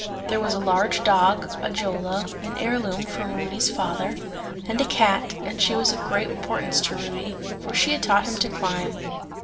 There was a large dog, Ajola, an heir loom from Rudy's father; and a cat, and she was of great importance to Rudy, for she had taught him to climb.